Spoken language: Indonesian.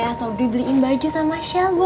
ini teh asobri beliin baju sama shell buat emak